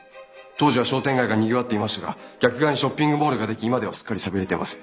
当時は商店街がにぎわっていましたが逆側にショッピングモールができ今はすっかり寂れてます。